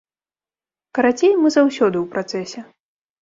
Карацей, мы заўсёды ў працэсе.